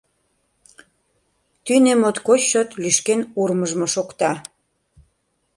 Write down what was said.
Тӱнӧ моткоч чот лӱшкен урмыжмо шокта.